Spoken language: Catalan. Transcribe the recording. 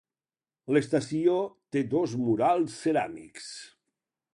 L'estació té dos murals ceràmics.